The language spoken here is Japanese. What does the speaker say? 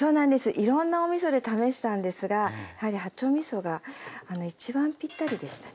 いろんなおみそで試したんですがやはり八丁みそが一番ぴったりでしたね。